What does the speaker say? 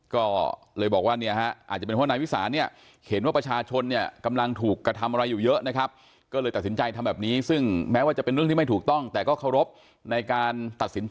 ก็เลยบอกว่าเนี่ยฮะอาจจะเป็นเพราะว่านายวิสารเนี่ยเห็นว่าประชาชนเนี่ยกำลังถูกกระทำอะไรอยู่เยอะนะครับ